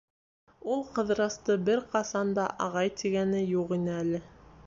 Ул Ҡыҙырасты бер ҡасан да «ағай» тигәне юҡ ине әле.